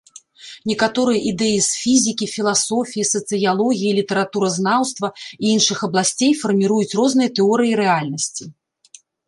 Некаторыя ідэі з фізікі, філасофіі, сацыялогіі, літаратуразнаўства, і іншых абласцей фарміруюць розныя тэорыі рэальнасці.